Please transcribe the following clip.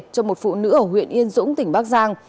cho một phụ nữ ở huyện yên dũng tỉnh bắc giang